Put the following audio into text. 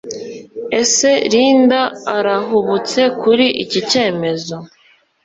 ESE LINDA ARAHUBUTSE KURI IKI CYEMEZO